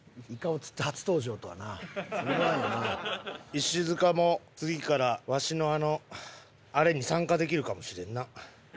石塚も次からわしのあれに参加できるかもしれんな。